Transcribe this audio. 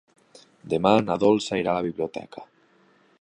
Demà na Dolça irà a la biblioteca.